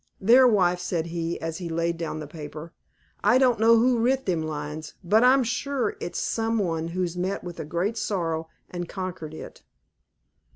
"There, wife," said he, as he laid down the paper; "I don't know who writ them lines, but I'm sure it's some one that's met with a great sorrow, and conquered it."